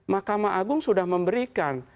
mahkamah agung sudah memberikan